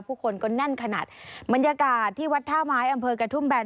ผู้คนก็แน่นขนาดบรรยากาศที่วัดท่าไม้อำเภอกระทุ่มแบน